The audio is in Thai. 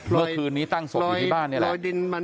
เมื่อคืนนี้ตั้งศพอยู่ที่บ้านนี่แหละ